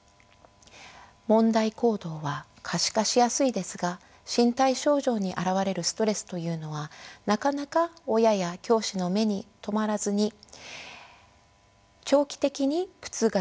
問題行動は可視化しやすいですが身体症状に表れるストレスというのはなかなか親や教師の目に留まらずに長期的に苦痛が続いてしまう場合もあります。